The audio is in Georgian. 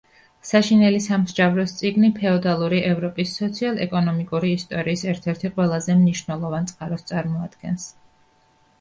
საშინელი სამსჯავროს წიგნი ფეოდალური ევროპის სოციალ-ეკონომიკური ისტორიის ერთ-ერთი ყველაზე მნიშვნელოვან წყაროს წარმოადგენს.